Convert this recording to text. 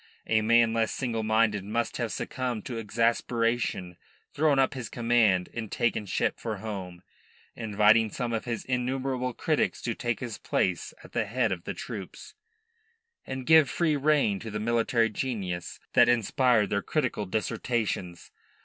A man less single minded must have succumbed to exasperation, thrown up his command and taken ship for home, inviting some of his innumerable critics to take his place at the head of the troops, and give free rein to the military genius that inspired their critical dissertations.